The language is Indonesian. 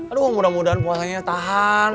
aduh mudah mudahan puasanya tahan